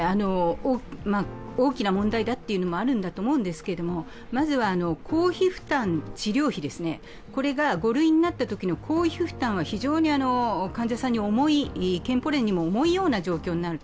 大きな問題だというのもあるんだと思うんですけどまずは公費負担、治療費ですね、５類になったときの公費負担は非常に患者さんに思い、健保連にも重いような状況になる。